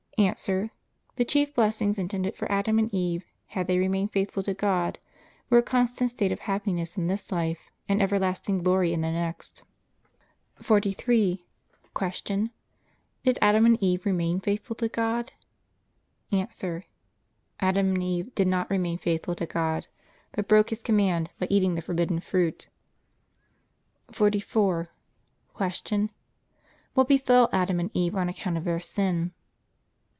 A. The chief blessings intended for Adam and Eve, had they remained faithful to God, were a constant state of happiness in this life and everlasting glory in the next. 43. Q. Did Adam and Eve remain faithful to God? A. Adam and Eve did not remain faithful to God; but broke His command by eating the forbidden fruit. 44. Q. What befell Adam and Eve on account of their sin?